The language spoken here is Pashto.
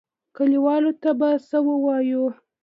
کليوالو ته به څه وايو.